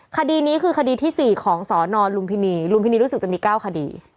คดีนี้คือคดีที่๔ของสนลุมพินีลุมพินีรู้สึกจะมี๙คดี